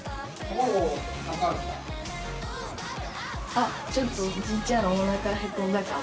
あっちょっとじいちゃんのおなかへこんだかも。